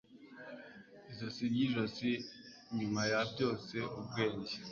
Izosi ryijosi Nyuma ya byose Ubwenge